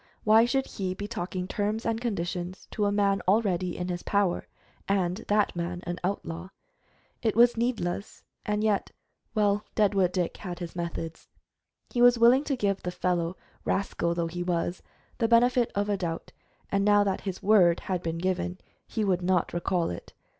Why should he be talking terms and conditions to a man already in his power, and that man an outlaw? It was needless, and yet Well, Deadwood Dick had his moods. He was willing to give the fellow, rascal though he was, the benefit of a doubt, and now that his word had been given he would not recall it.